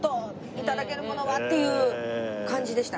頂けるものは」っていう感じでした。